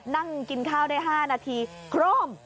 นั่งกินข้าวได้๕นาทีโคร่ม